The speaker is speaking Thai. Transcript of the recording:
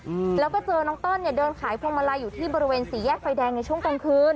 อืมแล้วก็เจอน้องต้นเนี่ยเดินขายพวงมาลัยอยู่ที่บริเวณสี่แยกไฟแดงในช่วงกลางคืน